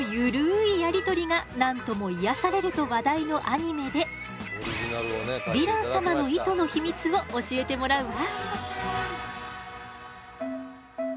やりとりが何とも癒やされると話題のアニメでヴィラン様の糸の秘密を教えてもらうわ。